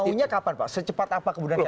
ini maunya kapan pak secepat apa kemudian klb